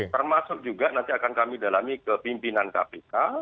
termasuk juga nanti akan kami dalami ke pimpinan kpk